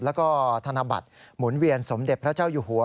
แล้วก็ธนบัตรหมุนเวียนสมเด็จพระเจ้าอยู่หัว